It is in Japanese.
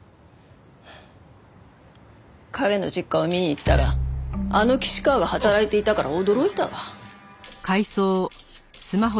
彼の実家を見に行ったらあの岸川が働いていたから驚いたわ。